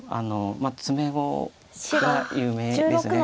詰碁が有名ですね。